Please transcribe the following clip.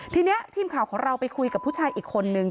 ทีนี้ทีมข่าวของเราไปคุยกับผู้ชายอีกคนนึง